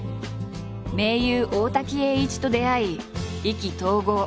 盟友大滝詠一と出会い意気投合。